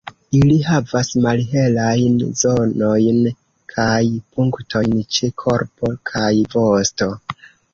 Ili havas malhelajn zonojn kaj punktojn ĉe korpo kaj vosto.